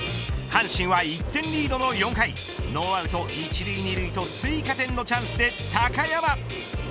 阪神は１点リードの４回ノーアウト１塁２塁と追加点のチャンスで高山。